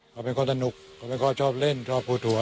เขาเป็นคนสนุกเขาเป็นคนชอบเล่นชอบพูดถั่